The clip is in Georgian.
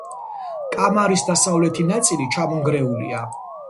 კამარის დასავლეთი ნაწილი ჩამონგრეულია.